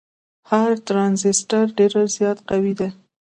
هر ټرانزیسټر ډیر زیات قوي دی.